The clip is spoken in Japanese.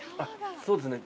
そうですね。